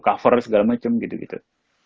cover segala macam gitu gitu